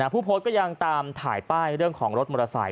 ผู้โพสต์ก็ยังตามถ่ายป้ายเรื่องของรถมอเตอร์ไซค